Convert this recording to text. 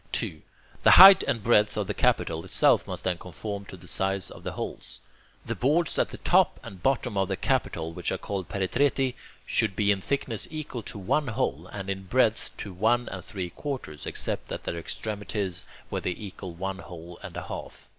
2. The height and breadth of the capital itself must then conform to the size of the holes. The boards at the top and bottom of the capital, which are called "peritreti," should be in thickness equal to one hole, and in breadth to one and three quarters, except at their extremities, where they equal one hole and a half.